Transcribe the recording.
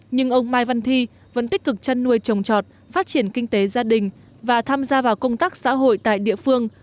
nhưng ông mai văn thi vẫn tích cực chăn nuôi trồng trọt phát triển kinh tế gia đình và tham gia vào công tác xã hội tại địa phương